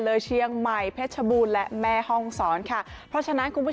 เชียงใหม่เพชรบูรณ์และแม่ห้องศรค่ะเพราะฉะนั้นคุณผู้ชม